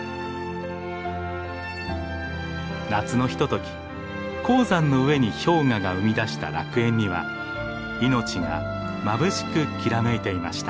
夏のひととき高山の上に氷河が生み出した楽園には命がまぶしくきらめいていました。